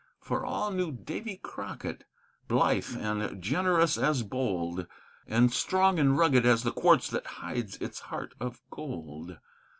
For all knew Davy Crockett, blithe and generous as bold, And strong and rugged as the quartz that hides its heart of gold.